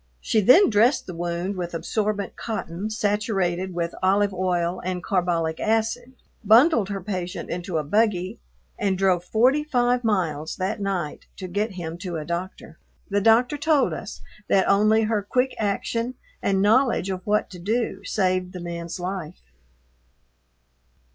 She then dressed the wound with absorbent cotton saturated with olive oil and carbolic acid, bundled her patient into a buggy, and drove forty five miles that night to get him to a doctor. The doctor told us that only her quick action and knowledge of what to do saved the man's life.